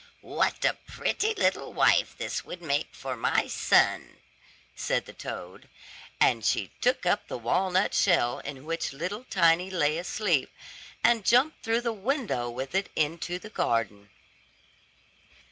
"What a pretty little wife this would make for my son," said the toad, and she took up the walnut shell in which little Tiny lay asleep, and jumped through the window with it into the garden.